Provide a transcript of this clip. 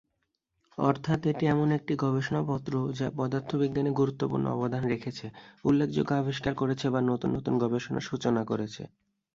অর্থাৎ এটি এমন একটি গবেষণাপত্র যা পদার্থবিজ্ঞানে গুরুত্বপূর্ণ অবদান রেখেছে, উল্লেখযোগ্য আবিষ্কার করেছে বা নতুন নতুন গবেষণার সূচনা করেছে।